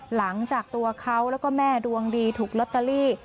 หลังจากตัวเขาแล้วก็แม่ดวงดีถูกลอตเตอรี่